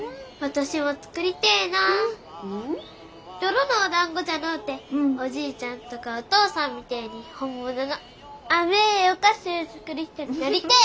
泥のおだんごじゃのうておじいちゃんとかお父さんみてえに本物の甘えお菓子ゅう作る人になりてえ！